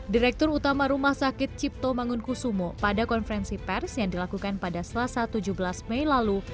direktur utama rumah sakit cipto mangunkusumo pada konferensi pers yang dilakukan pada selasa tujuh belas mei lalu